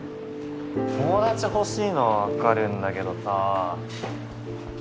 友達欲しいのは分かるんだけどさ痛いんだよね。